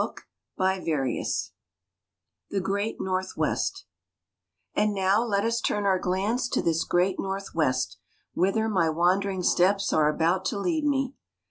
Keats THE GREAT NORTHWEST And now let us turn our glance to this great Northwest, whither my wandering steps are about to lead me.